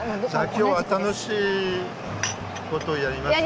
今日は、楽しいことをやりましょうね。